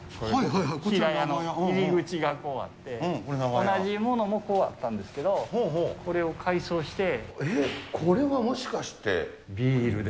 入り口がこうあって、同じものもこうあったんですけど、これを改装して。